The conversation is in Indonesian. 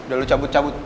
udah lo cabut cabut